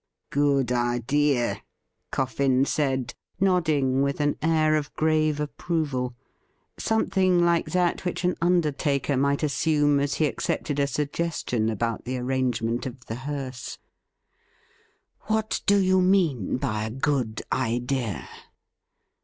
' Good idea,' Coffin said, nodding with an air of grave approval — something like that which an undertaker might S96 lim RIDDLE RING assume as he accepted a suggestion about the arrangement of the hearse. ' What do you mean by a good idea